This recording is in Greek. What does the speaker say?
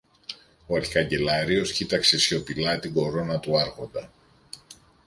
Ο αρχικαγκελάριος κοίταξε σιωπηλά την κορώνα του Άρχοντα